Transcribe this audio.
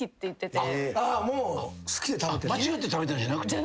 間違って食べてるじゃなくて。